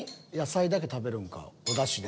おだしで。